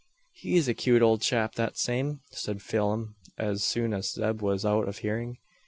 "He's a cute owld chap that same," said Phelim as soon as Zeb was out of hearing.